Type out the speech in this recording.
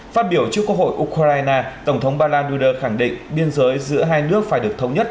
phát biểu trước quốc hội ukraine tổng thống ba lan duda khẳng định biên giới giữa hai nước phải được thống nhất